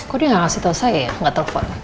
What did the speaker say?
kok dia gak ngasih tau saya ya gak telfon